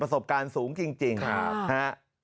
ประสบการณ์สูงจริงจริงครับฮะ